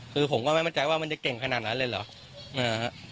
คือผมก็ไม่มั่นใจว่ามันจะเก่งขนาดนั้นเลยเหรอ